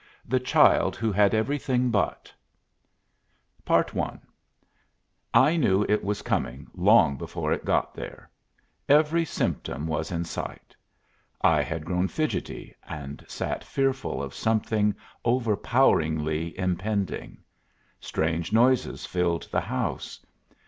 THE CHILD WHO HAD EVERYTHING BUT I I knew it was coming long before it got there. Every symptom was in sight. I had grown fidgety, and sat fearful of something overpoweringly impending. Strange noises filled the house.